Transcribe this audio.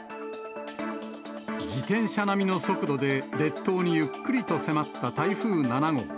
自転車並みの速度で、列島にゆっくりと迫った台風７号。